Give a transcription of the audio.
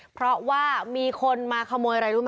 เพราะว่ามีคนมาขโมยอะไรรู้ไหม